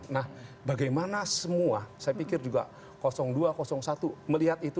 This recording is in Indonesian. nah bagaimana semua saya pikir juga dua satu melihat itu